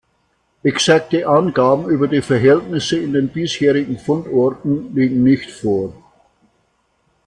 Exakte Angaben über die Verhältnisse in den bisherigen Fundorten liegen nicht vor.